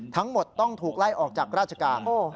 ทั้งหมดต้องถูกไล่ออกจากราชการ